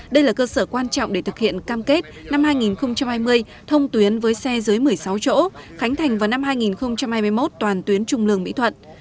đây là cơ sở quan trọng để thực hiện cam kết năm hai nghìn hai mươi thông tuyến với xe dưới một mươi sáu chỗ khánh thành vào năm hai nghìn hai mươi một toàn tuyến trung lương mỹ thuận